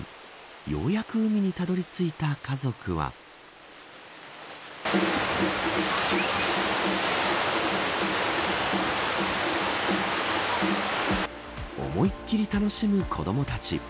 ようやく海にたどり着いた家族は思いっきり楽しむ子どもたち。